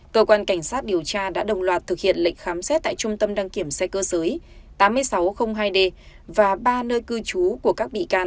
cơ quan cảnh sát điều tra đã đồng loạt thực hiện lệnh khám xét tại trung tâm đăng kiểm xe cơ giới tám nghìn sáu trăm linh hai d và ba nơi cư trú của các bị can